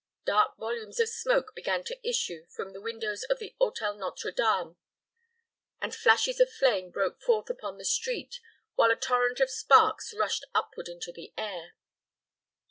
Dark volumes of smoke began to issue from the windows of the Hôtel Nôtre Dame, and flashes of flame broke forth upon the street, while a torrent of sparks rushed upward into the air.